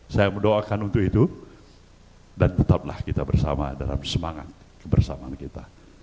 saya mendoakan untuk itu dan tetaplah kita bersama dalam semangat kebersamaan kita